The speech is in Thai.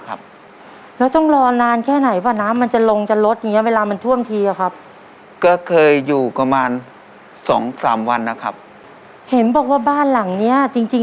ครับแล้วมันก็หักลงมาไอ้ไม้นั่นมันชนอย่างงี้ใช่ไหม